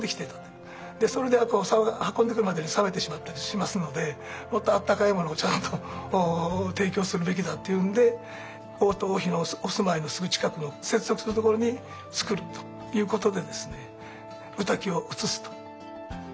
でそれで運んでくるまでに冷めてしまったりしますのでもっと温かいものをちゃんと提供するべきだっていうんで王と王妃のお住まいのすぐ近くの接続するところにつくるということで御嶽を移すと。